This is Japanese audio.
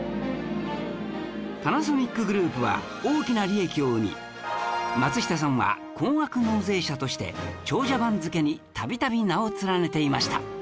パナソニックグループは大きな利益を生み松下さんは高額納税者として長者番付に度々名を連ねていました